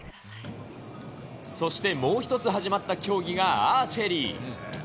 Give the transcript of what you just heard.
そしてもう一つ始まった競技がアーチェリー。